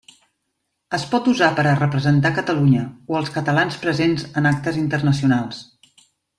Es pot usar per a representar Catalunya, o els catalans presents en actes internacionals.